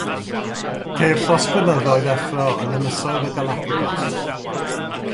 Ceir llosgfynyddoedd effro yn Ynysoedd y Galapagos.